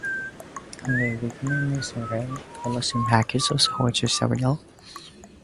On the week end of whitsuntide Petite Martinique holds their annual Whitsuntide Regatta.